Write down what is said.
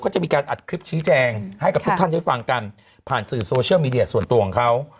ก็จะมีการอัดคลิปชี้แจงให้กับทุกท่านได้ฟังกันผ่านสื่อโซเชียลมีเดียส่วนตัวของเขา